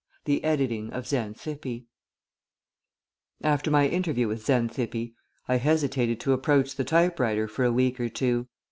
V. THE EDITING OF XANTHIPPE After my interview with Xanthippe, I hesitated to approach the type writer for a week or two.